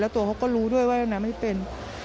ตัวเขาก็รู้ด้วยว่าน้ำไม่เป็น